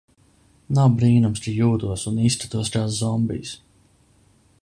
Nav brīnums, ka jūtos un izskatos kā zombijs.